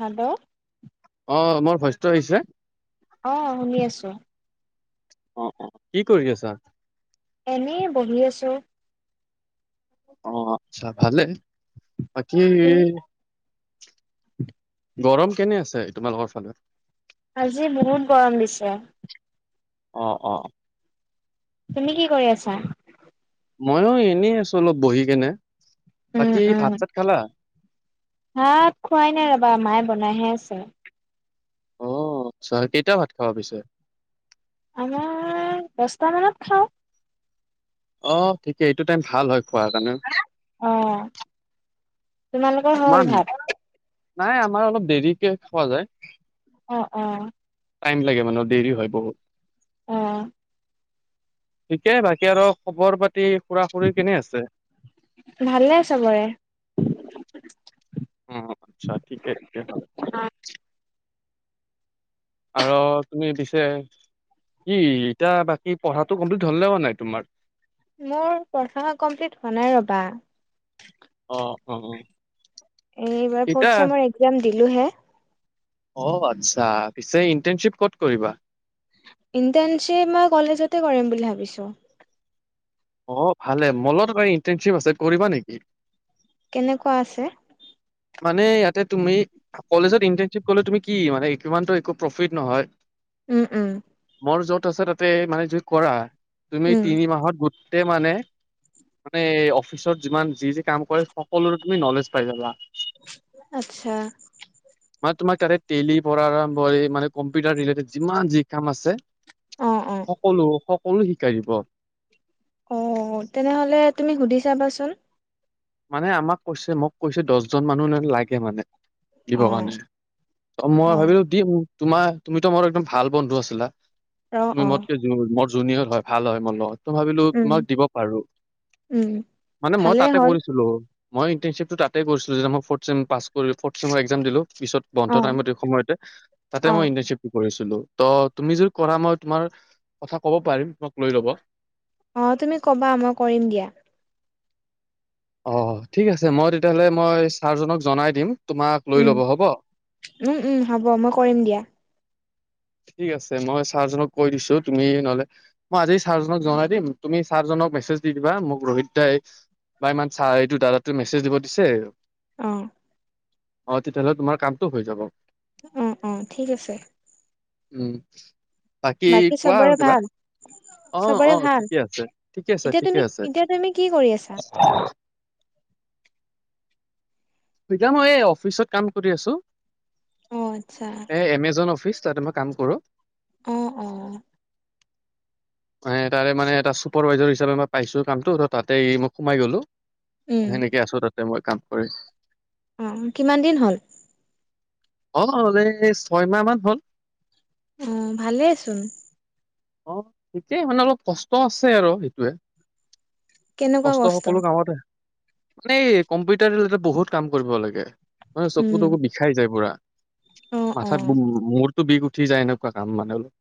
Hello অ মোৰ ভস্ত আহিছে অ শুনি আছো অ অ কি কৰি আছা এনেই বহি আছো অ আচ্ছা ভালে বাকী গৰম কেনে আছে তোমালোকৰ ফালত আজি বহুত গৰম দিছে অ অ অ তুমি কি কৰি আছা ময়ো এনেই আছো অলপ বহি কেনে বাকী ভাত চাত খালা হাত খোৱাই নাই ৰবা মায়ে বনাইহে আছে আহ চাহ কেইটাও ভাত খাব পিছে আমাৰ দছটা মানত খাওঁ আহ ঠিকেই এইটো টাইম ভাল হয় খোৱাৰ কাৰণে তোমাল ক হল ইমান হাত নাই আমাৰ অলপ দেৰিকে খোৱা যায় অ অ টাইম লাগে মানে দেৰি হয় বহুত অ িকে বাকী আৰু খবৰ পাতি খুৰা খুৰীৰ কেনে আছে ভালে চবৰে অ আচ্ছা ঠিকেই তেয়া হ আৰু তুমি দিছে ই এতিয়া বাকী পঢ়াটো কমপ্লিট হলে হোৱা নাই তোমাৰ মোৰ প্ৰথনাা কমপ্লিট হোৱা নাই ৰবা অ অ উ এই এইবাৰ ফৰ্থ চেমৰ এক্জাম দিলো হে অ আচ্ছা পিছে ইণ্টাৰ্ণশ্বিপ কত কৰিবা ইণ্টাৰণশ্বিপ মই কলেজতে কৰিম বুলি ভাবিছো অ ভালে মলত ইণ্টাৰশ্বিপ আছে কৰিবা নেকি কেনেকুৱা আছে মানে ইয়াতে তুমি কলেজত ইন্টাৰ্নশ্বিপ কলে তুমি কি মানে কিমানতটো একো প্ৰফিট নহয় উম উম মোৰ য'ত আছে তাতে মানে যুই কৰা তুমি উম তিনি মাহত গোটেই মানে মানে অফিচত যিমান যি যি কাম কৰে সকলোৰে তুমি নলেজ পাই যাবা আচ্ছা তোমাৰ তাতে টেলি পৰাঢ আৰম্ভ মানে কম্পিউটাৰ ৰিলেটেড যিমান যি কাম আছে অ অ সকলো সকলো শিকাই দিব অ তেনেহলে তুমি সুধি চাবাচোন মানে আমাক কৈছে মোক কৈছে দহজন মানুহ লাগে মানে দিব অ কাৰণে ত মই অ ভাবিলো দিম তোমাৰ তুমিতো মোৰ একদম ভাল বন্ধু আছিলা অ তুমি অ মত জুিয়ৰ হয় ভাল হয় মোৰ লগত ত ভাবিলো উম তোমাক দিব পাৰো উম মানে মই ভালেই তাতে হ'ল কৰিো মই ই্বটো তাতে কৰিছিলো যে মই দিলো পিছত বন্ধ অ টাইমত এই সময়তে তাতে অ মই ইন্টাৰ্শ্বিপটো কৰিছো ত তুমি যে কৰা মই তোমাৰ কথা ক'ব পাৰিম তমাক লৈ ল'ব অ তুমি কবা মই কৰিম দিয়া অ ঠিক আছে মই তেতিয়াহ'লে মই ছাৰজনক জনাই দিম তোমাক লৈ উম ল'ব হ'ব। উম উম হ'ব মই কৰিম দিয়া ঠিক আছে মই ছাৰজনক কৈ দিছো তুমি নহলে মই আজি ছাৰজনক জনাই দিম তুমি চাৰজন ক মেছেজ দি দিবা মোক ৰোহিত দাই বা ইমান চাৰ এই দাদাটো মেছেজ দিব দিছে অহ অ তেতিয়াহ'লে তোমাৰ কামটো হৈ যাব উম উম ঠিক আছে উম বাকী কোৱা চবৰে আৰু কিবা ভাল অ চবৰে অ ভাল ঠিকে আছে ঠিকে আছে এতিয়া তুমি ঠিকে আছে এতিয়া তুমি কি কৰি আছা ইতা মই এই অফিচত কাম কৰি আছো অ আচ্ছা এ এমেজন অফিচ চা তমে মই কাম কৰো অ অ তাৰে মানে এটা চুপাৰভাইজাৰ হিচাপে মই পাইছো কামটো ত তাতেই মই সোমাই গলো উম সেনেকে আছো তাতে মই কাম কৰি অ কিমান দিন হ'ল অ এই ছয়মাহ মান হ'ল অ ভালে চোন অ সেটোয়েই মানে অলপ কষ্ট আছে আৰু সেইটোৱে কষ্ট সকলো কামতে মানে এই কম্পিউটাৰ লে বহুত কাম কৰিব লাগে মানে চকু উম তকু বিষাই যায় পুৰা অ অ মাথাত মূৰতো বিষ উঠি যায় এনেকুৱা কাম মানে অলপ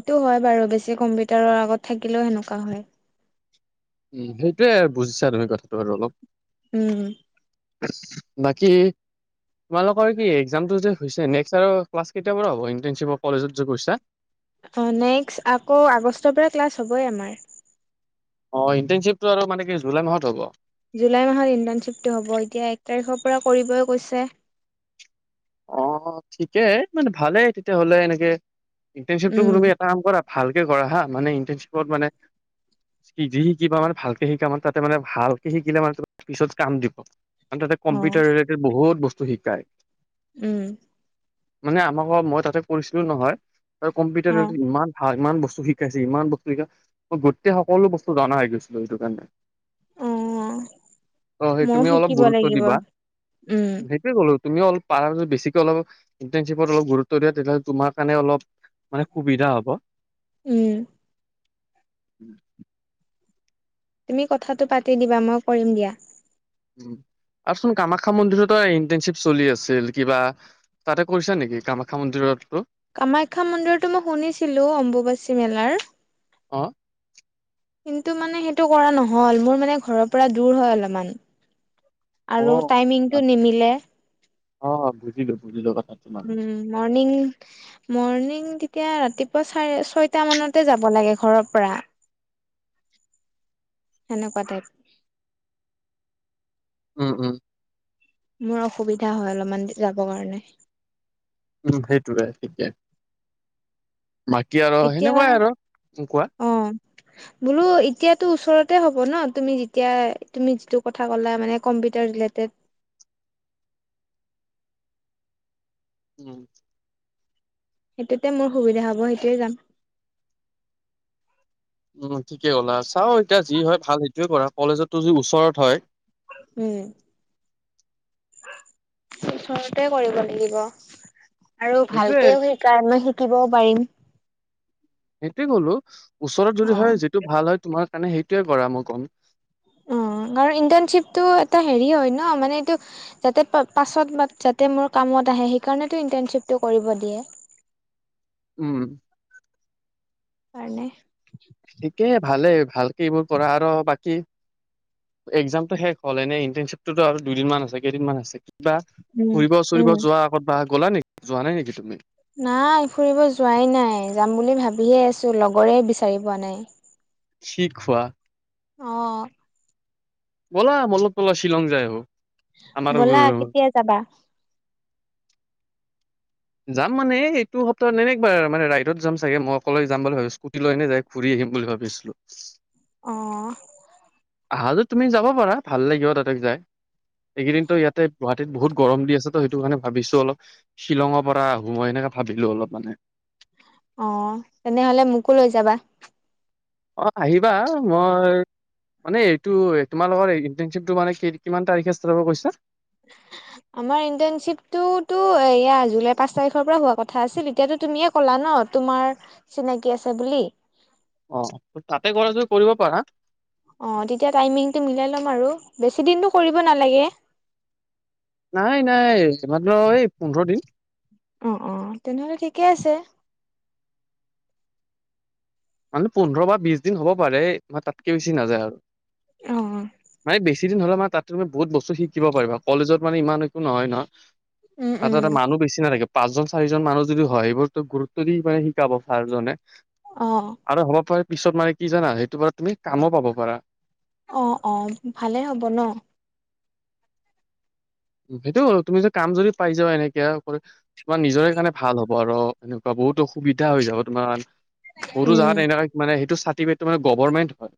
সেইটো হয় বাৰু বেছি কম্পিউটাৰৰ আগত থাকিলেও সেনেকুৱা হয় উম সেইটোয়ে বুজিছা তুমি কথাটো আৰু অলপ ন উম বাকী তোমালোকৰ কি একজামটো যে হৈছে নেক্স ইয়াৰ ক্লাছ কেতিয়াৰ পৰা হ'ব ইন্টাৰ্ণশ্বিপৰ কলেজত যে গৈছা অ নেক্সট আকৌ আগষ্টৰ পৰা ক্লাছ হ'বই আমাৰ অ ইণ্টাৰ্ণশ্বিপটো আৰু মানে কি জুলাই মাহত হ'ব জুলাই মাহত ইণ্টাৰ্ণশ্বিপটো হ'ব এতিয়া এক তাৰিখৰ পৰা কৰিবই কৈছে অ ঠিকে মানে ভালেই তেতিয়া হ'লে এনেকে ইন্টাৰ্ণশ্বিপ টো উম তুমি এটা কাম কৰা ভালকে কৰা হা মানে ইণ্টাৰ্ণশ্বিপত মানে যি শিকিবা মানে ভালকে শিকা মানে তাতে মানে ভালকে শিকিলে মানে ত পিছত কাম দিব তাতে অ কম্পিউটাৰ ৰিলেটেড বহুত বস্তু শিকায় উম মানে আমাক মই তাতে কৰিছিলো নহয় কম্পিউটাৰ অ ইমান ভাল ইমান বস্তু শিকাইছে ইমান বস্তু শিকাই মই গোটেই সকলো বস্তু জনা হৈ গৈছিলো সেইটো কাৰণে অ [inaudible] অ সেই ময়ো তুমি অলপ শিকিব গুৰুত্ব লাগিব দিবা উম সেইটোৱে কলো পাৰ যদি বেছিকে অলপ ইন্টাৰ্ণশ্বিপত অলপ গুৰুত্ব দিয় তেতিয়াহ'লে তোমা কাৰণে অলপ মানে সুবিধা হ'ব উম উম তুমি কথাটো পাতি দিবা মই কৰিম দিয়া উম আৰু চোন কামাখ্যা মন্দিৰতো ইণ্টাৰ্নশ্বিপ চলি আছিল কিবা তাতে কৰিছা নেহকি কামাখ্যা মন্দিৰতো কামাখ্যা মন্দিৰটো মই শুনিছিলো অম্বুবাচী মেলাৰ অ কিন্তু মানে সেইটো কৰা নহল মোৰ মানে ঘৰৰ পৰা দূৰ হয় অলপমান। অ আৰু টাইমিংটো নিমিলে। অ বুজিলো বুজিলো কথাটো মানে উম মৰ্ণিং। মৰ্ণিং তেতিয়া ৰাতিপুৱা চাৰে ছয়ত মানতে যাব লাগে ঘৰৰ পৰা। সেনেকুৱা টাইপ উম উম। মোৰ অসুবিধা হয় অলপমান যাব কাৰণে। উম সেইটোকে ঠিকে বাকী আৰু এতিয়া সেনেকুৱাই আৰু কোৱা অ' বোলো এতিয়াতো ওচৰতে হ'ব ন তুমি যেতিয়া তুমি যিটো কথা ক'লা মানে কম্পিউটাৰে [inaudible] উম। সেইটোতে মোৰ সুবিধা হব সেইটোৱে যাম। উম ঠিকে ক'লা চাও এতিয়া যি হয় ভাল সেইটোয়ে কৰা কলেজতো যদি ওচৰত হয়। উম। ওচৰতে কৰিব লাগিব। আৰু সেইটোয়ে ভালকেও শ মই শিকিবও পাৰিম। সেইটোয়ে কলো ওচৰত যদি অ হয় যিটো ভাল হয় তোমাৰ মণে সেইটোয়ে কৰা মই কম। ইিপটো হ হয় ন মানেটো পাছত ম আহে সেইকাৰণে টো ইনৰ্টানশিপটো কৰিব দিয়ে উম। কাৰণে ঠিকেই ভালেই ভালকে এইবোৰ কৰা আৰু বাকী এক্জামটো শেষ হ'ল এনে ইণ্টাৰশ্বিপটোতো আৰু দুদিন মান আছে কেইদিনমান আছে। কিবা উম ফুৰিব উম চুৰিব যোৱাৰ আগত বা গ'লা নেকি যোৱা নাই নেকি তুমি। নাই ফুৰিব যোৱাই নাই যাম বুলি ভাবিহে আছো লগৰে বিচাৰি পোৱা নাই কি কোৱা? অ'। ব'লা মোৰ লগত বলা শ্বিলং যায় আহে। ব'লা কেতিয়া যাবা। যাম মানে এইটো সপ্তাহত এনে একবাৰ মানে ৰাইডত যাম চাগে মই অকলে যাম বুলি ভাবিো স্কুটি লৈ ননে যায় ঘূৰি। ম বুলি ভাবিছিলো। অ'। আহা তুমি যাব পাৰা ভাল লাগিব তাতেক যাই এইকেইদিনতো ইয়াতে গুৱাহাটীত বহুত গৰম দি আছে তো সেইটো কাৰণে ভাবিছো অলপ শ্বিলঙৰ পৰা। আহোঁ মই এেনেকে ভাবিলো অলপ মানে। অ' তেনেহলে মোকো লৈ যাবা। অ' আহিবা মই মানে এইটো তোমালোকৰ ইটাৰশ্বিপটো মানে কিমান তাৰিখে হব কৈছা। আমাৰ ইন্টাৰশ্বিপ টোো এ জুলাই পাঁচ তাৰিখৰ পৰা হোৱা কথা আছিল এতিয়াো তুমিয়ে ক'লা ন। ন তোমাৰ চিনাকি আছে বুলি। অ' তাতে কৰা যদি কৰিব পাৰা। অ' তেতিয়া টাইমিংটো মিলাই ল'ম আৰু বেছি দিনটো কৰিব নালাগে। নাই নাই মাত্ৰ এই পোন্ধৰ দিন। অ', অ' তেনেহলে ঠিকে আছে। মানে পোন্ধৰ বা বিশ দিন হ'ব পাৰে ম তাতকে বেচি নাযায় আৰু অ' ম বেছি। সিদিন হ'লে আমাৰ তাত তমি বহুত বস্তু শিকিব পাৰা কলেজত মানে ইমান একো নহয় নয়। উম আৰু উম এটা মানুহ বেছি নাথাগে। পাঁচজন চাৰিজন মানুহ যদি হয় এইবোৰতো গুৰুত্ব দি মানে শিকাব চাৰজনে অ'। আৰু হ'ব পাৰে পিছত মানে কি জানা সেইটো পৰা তুমি কামো পাব পাৰা। অ'- অ', ভালেই হ'ব ন। সেইটো তুমি যদি কাম যদি পাই যোৱা এনেকে তোমাৰ নিজৰে কাৰণে ভাল হ'ব। [unintelligible] বা বহুতো সুবিধা হৈ যাব তোমাৰ বহুতো উম জাগাত এনেকুৱা মানে চাৰ্টিফিকেত টো মানে গভৰ্মেণ্ট হয়।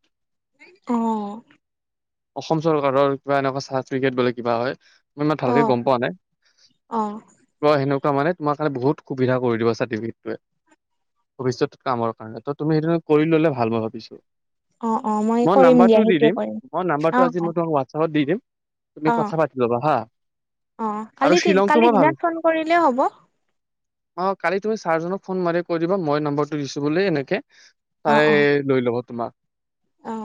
অ'। অসম চৰকাৰৰ কিবা এনেকুৱা চাৰ্টিফিকেট বোলে কিবা হয়। মই ইমান ভালকে অ' গম পোৱা নাই অ' কয় হেনো ত' মানে তোমাৰ কাৰণে বহুত সুবিধা কৰি দিব চাৰ্টিফিকেতটোৱে। ভৱিষ্যত কামৰ কাৰণে ত' তুমি সেইটো কৰি ল'লে ভাল মই ভাবিছো। অ অ মই কৰিম দিয়া নাম্বাৰটো দি সেইটোৱে দিম কৰিম মই অ নাম্বাৰটো অ আজি মই তোমাক হোৱাটছআপত দি দিম। তুমি অ কথা পাতি ল'বা হা। অ', আৰু কালি- শ্বিলংটো কালি মই ভাবি দিনত ফোন কৰিলেও হ'ব। অ', কালি তুমি ছাৰজনক ফোন মাৰি কৈ দিব মই নম্বৰটো দিছো বুলি এনেকে। অ চাৰে অ লৈ ল'ব তোমাক। অ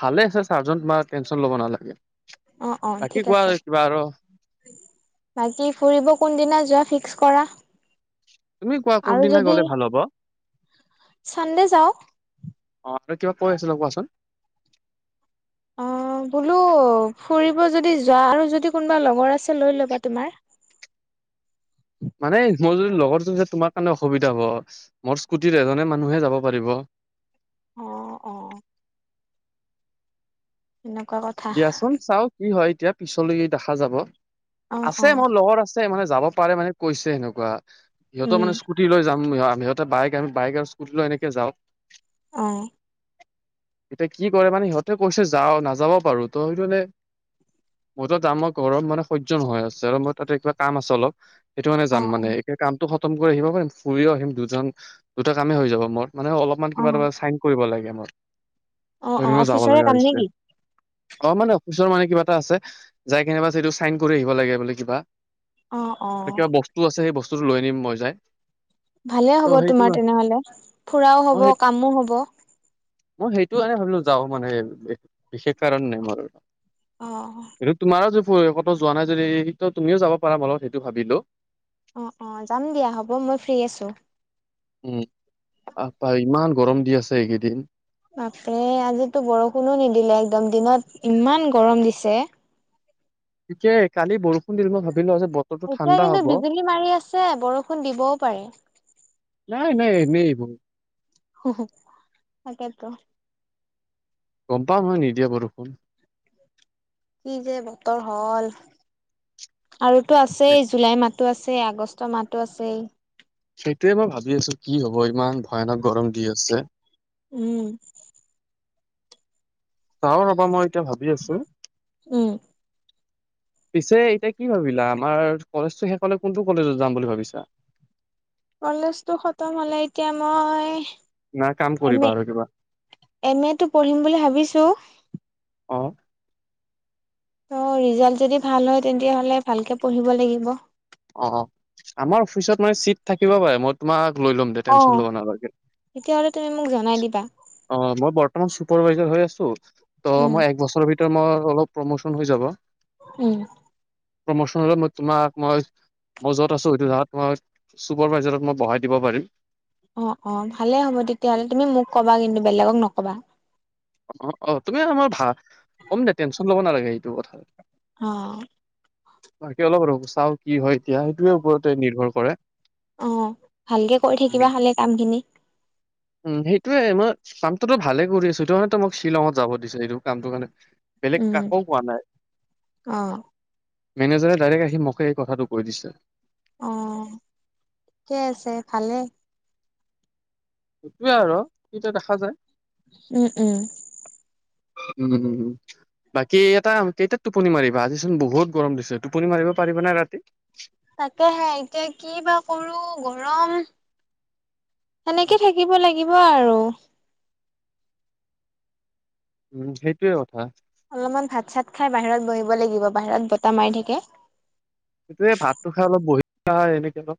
ভালে আছে ছাৰ্জন তোমাৰ টেনশন ল'ব নালাগে। অ'- অ', ঠিক আছে। বাৰ। বাকী ফুৰিব কোনদিনা যোৱা ফিক্স কৰা। তুমি কোৱা আৰু কোনদিনা যদি গ'লে ভাল হ'ব চানডে যাওঁ। অ', আৰু কিবা কৈ আছিলা কোৱাচোন। অ বোলো ফুৰিব যদি যোৱা আৰু যদি কোনোবা লগৰ আছে লৈ ল'বা তোমাৰ। [inaudible] মানে মোৰ যদি লগৰজন তোমাৰ কাৰণে অসুবিধা হ'ব মোৰ স্কুটিত এজনে মানুহে যাব পাৰিব। [inaudible] অ'-অ'। কথা দিয়াচোন চাও কি হয় এতিয়া পিছলৈ দেখা যাব অ অ আছে মোৰ লগৰ আছে মানে যাব পাৰে মানে কৈছে সেনেকুৱা সিহঁতৰ উম মানে স্কুটি লৈ যাম অ সিহঁতে বাইক আ বাইক আৰু স্কুটিলৈ এনেকে যাওঁ। অ'। এতিয়া কি কৰে মানে সিহঁতে কৈছে যাও নাযাবও পাৰো ত' সেইটো মানে মোৰ ত' যাম অ ঘৰম মানে সহ্য নহয় আছে আৰু মোৰ তাতে কিবা কাম আছে অলপ। সেইটো মানে অ অ যাম মানে এতিয়া কামটো খতম কৰি আহিব পাৰিম ফুৰিও আহিম দুজন দুটা কামে হৈ যাব মোৰ। মানে অলপমান অ কিবা তোমাৰ চাইন কৰিব লাগে মোৰ, অ অ [unintelligible] যাব অফিচৰে লগা কাম হৈছে। নেকি অ', মানে অফিচৰ মানে কিবা এটা আছে যাই কেনেবা সেইটো চাইন কৰি আহিব লাগে বোলে কিবা। অ অ আৰু কিবা বস্তু আছে সেই বস্তুটো লৈ নিম মই যাই। ভালে হ'ব ত' সেইটো তোমাৰ তেনেহ'লে ফুৰাও হ'ব মই সেই কামো হ'ব। মই সেইটো কাৰনে ভাবিলো যাও মানে বিশেষ কাৰণ নাই মোৰ। অ কিন্তু তোমাৰো যে ক'ত যোৱা নাই যদি তুমিও যাব পাৰা মোৰ লগত সেইটো ভাবিলো। অ'- অ', যাম দিয়া হ'ব মই ফ্ৰী আছো। উম, অহ পাই ইমান গৰম দি আছে এইকেইদিন। বাপৰে আজিতো বৰষুণো নিদিলে একদম দিনত ইমান গৰম দিছে। গতিকে কালি বৰষুণ দিব ভাব এতিয়া কিন্তু বিজুলী মাৰি আছে বৰষুণ দিবও পাৰে। নাই- নাই এনেই এবোৰ। তাকেটো। গম পাও মই নিদিয়ে বৰষুণ। কি যে বতৰ হ'ল আৰুটো আছেই জুলাই মাহটো আ আছেই আগষ্ট মাহটো আছেই। সেইটোয়ে মই ভাবি আছো কি হব ইমান ভয়ানক গৰম দি আছে উম চাও ৰবা মই এতিয়া ভাবি আছো উম পিছে এতিয়া কি ভাবিলা আমাৰ কলেজটো শেষ হলে কোনটো কলেজত যাম বুলি ভাবিছা [unintelligible] কলেজতো খতম হলে এতিয়া মই না কাম এম কৰিবা এ আৰু কিবা এম এটো পঢ়িম বুলি ভাবিছো অ অ ৰিজাল্ট যদি ভাল হয় তেনতিয়া হলে ভালকে পঢ়িব লাগিব অ আমাৰ অফিচত মানে চিট থাকিব পাৰে মই তোমাক লৈ লম দে অ টেনচন লব নালাগে অ তেতিয়াহ'লে তুমি মোক জনাই দিবা মই বৰ্তমান চুপ চুপাৰভাইজাৰ হৈ আছো ত উম মই এবছৰ ভিতৰত মই অলপ প্ৰমোচন হৈ যাব উম প্ৰমোচন হলে মই তোমাক মই মই যত আছো সেইটো ধই চুপাৰ ভাইজাৰত মই বহাই দিব পাৰিম অ অ ভালে হ'ব তেতিয়াহ'লে তুমি মোক কবা কিন্তু বেলেগক নকবা অ অ তুমি আমাৰ ভা কম দে টেনশ্যন ল'ব নালাগে এইটো কথা অ বাকী অলপ চাও কি হয় এতিয়া সেইটোৱে ওপৰতে নিৰ্ভৰ কৰে অ ভালকে কৰি থাকিবা হালে কাম খিনি উম সেইটোয়ে মই কামটোতো ভালে কৰি আছো সেইটো কাৰণেতো মোক শ্বিলঙত যাব দিছে এইটো কামটো মানে বেলেগ উম, কাকোও কোৱা নাই অ', মেনেজাৰে ডাইৰেক্ট আহি মোকে এই কথাটো কৈ দিছে অ ঠিকে আছে ভালে সেইটোয়ে আৰু এতিয়া দেখা যায় উম উম উমম বাকী এটা কেইটাত টোপনি মাৰিবা আজিচোন বহুত গৰম দিছে টোপনি মাৰিব পাৰিবা নে ৰাতি তাকেহে এতিয়া কি বা কৰো গৰম সেনেকে থাকিব লাগিব আৰু উম সেইটোয়ে কথা অলপমান ভাত চাত খাই বাহিৰত বহিব লাগিব বাহিৰত বতাহ মাৰি থাকে সেইটোয়ে ভাতটো খাই অলপ বহি খাই এনেকে অলপ